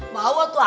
bawa tuh abah